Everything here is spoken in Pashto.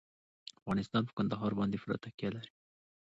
افغانستان په کندهار باندې پوره تکیه لري.